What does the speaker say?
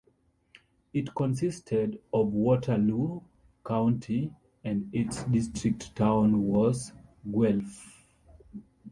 It consisted of Waterloo County and its district town was Guelph.